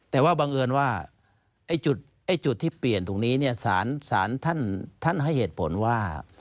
แต่ว่าบังเอิญว่าจุดที่เปลี่ยนตรงนี้เนี่ยสารท่านให้เหตุผลว่า